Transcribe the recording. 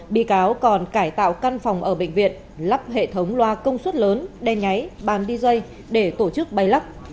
bị cáo còn cải tạo căn phòng ở bệnh viện lắp hệ thống loa công suất lớn đen nháy bàn đi dây để tổ chức bay lắp